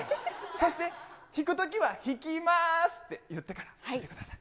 そして引くときは、引きまーすって言ってから引いてください。